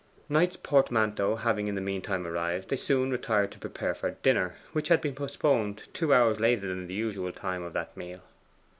Knight's portmanteau having in the meantime arrived, they soon retired to prepare for dinner, which had been postponed two hours later than the usual time of that meal.